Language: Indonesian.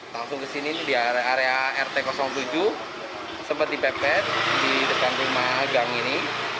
langsung kesini di area rt tujuh sempat dipepet di depan rumah gang ini